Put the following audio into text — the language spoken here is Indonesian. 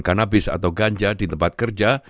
kanabis atau ganja di tempat kerja